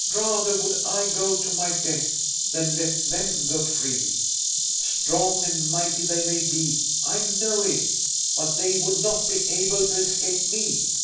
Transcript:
Rather would I go to my death than let them go free. Strong and mighty they may be, I know it, but they would not be able to escape me."